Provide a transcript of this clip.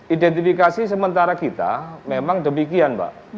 identifikasi sementara kita memang demikian mbak